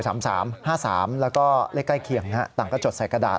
แล้วก็เลขใกล้เคียงต่างก็จดใส่กระดาษ